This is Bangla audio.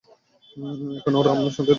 এখানে ওরা আমায় শান্তিতে থাকতে দেবে না।